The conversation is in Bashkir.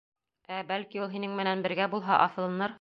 Ә, бәлки, ул һинең менән бергә булһа, аҫылыныр?